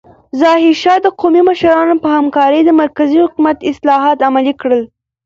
ظاهرشاه د قومي مشرانو په همکارۍ د مرکزي حکومت اصلاحات عملي کړل.